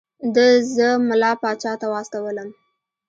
ده زه ملا پاچا ته واستولم.